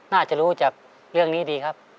น่าจะรู้จากเรื่องนี้ดีครับ